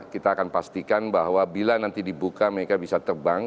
kita akan pastikan bahwa bila nanti dibuka mereka bisa terbang